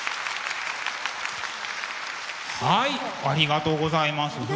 ありがとうございます。